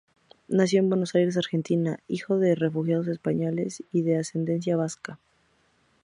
Nació en Buenos Aires, Argentina, hijo de refugiados españoles y de ascendencia vasca.